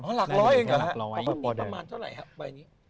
มีประมาณเท่าไหร่ฮะใบนี้